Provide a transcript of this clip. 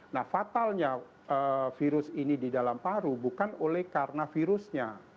nah fatalnya virus ini di dalam paru bukan oleh karena virusnya